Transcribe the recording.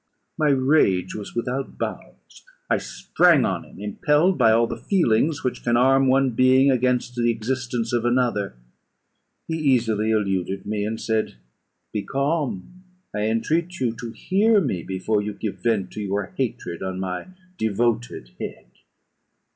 My rage was without bounds; I sprang on him, impelled by all the feelings which can arm one being against the existence of another. He easily eluded me, and said "Be calm! I entreat you to hear me, before you give vent to your hatred on my devoted head.